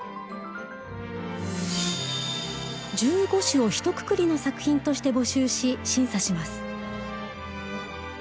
１５首をひとくくりの作品として募集し審査します。